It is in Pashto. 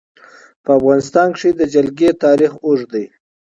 په افغانستان کې د جلګه تاریخ اوږد دی.